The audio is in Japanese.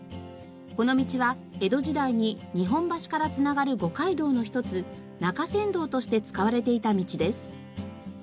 この道は江戸時代に日本橋から繋がる五街道の一つ中山道として使われていた道です。